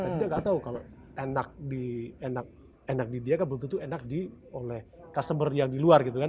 jadi dia gak tau kalau enak di dia kan berarti enak oleh customer yang di luar gitu kan